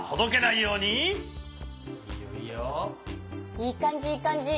いいかんじいいかんじ。